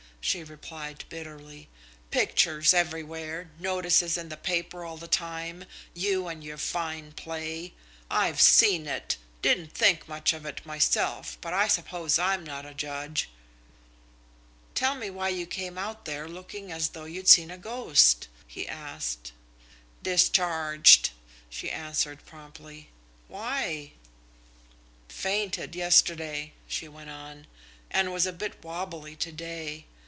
she replied bitterly. "Pictures everywhere, notices in the paper all the time you and your fine play! I've seen it. Didn't think much of it myself, but I suppose I'm not a judge." "Tell me why you came out there looking as though you'd seen a ghost?" he asked. "Discharged," she answered promptly. "Why?" "Fainted yesterday," she went on, "and was a bit wobbly to day.